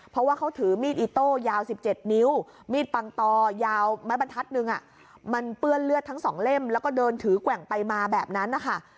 เพราะว่าเขาถือมีดอิโต้ยาว๑๗นิ้วมีดปังตอยาวไม้บรรทัดหนึ่งมันเปื้อนเลือดทั้ง๒เล่มแล้วก็เดินถือแกว่งไปมาแบบนั้นนะคะ